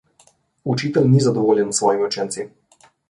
Učitelj ni zadovoljen s svojimi učenci.